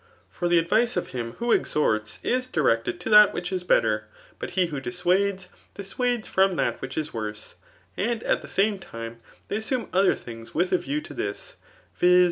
For the advice of him who exhorts is directed to that which is better ; but he \^ho dissuades, djii$uade8 ffom that vhich is worse; and it the same tifaie diey assume other thidgs with a view to this, viz.